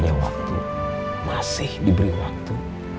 kita punya waktu masih diberi waktu